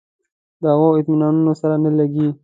د هغو اطمینانونو سره نه لګېږي.